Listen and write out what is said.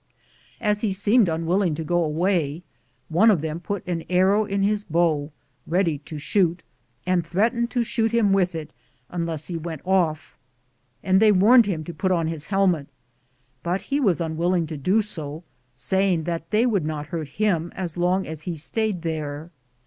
As he seemed unwilling to go away, one of them put an arrow in his bow ready to shoot, and threat ened to shoot him with it unless he went off, and they warned him to put on his hel met, but he was unwilling to do so, saying that they would not hurt him as long as he stayed there.